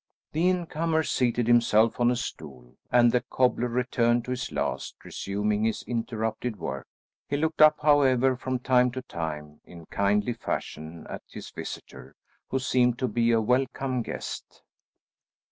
The incomer seated himself on a stool, and the cobbler returned to his last, resuming his interrupted work. He looked up however, from time to time, in kindly fashion at his visitor, who seemed to be a welcome guest.